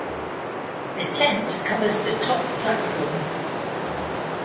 A tent covers the top platform.